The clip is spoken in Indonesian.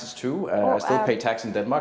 saya masih membayar tax di denmark